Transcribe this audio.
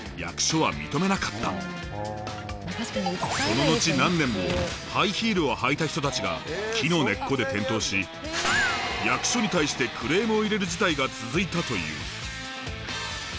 この話はその後何年もハイヒールを履いた人たちが木の根っこで転倒し役所に対してクレームを入れる事態が続いたという。